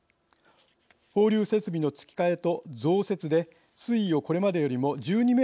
放流設備の付け替えと増設で水位をこれまでよりも１２ｍ下げ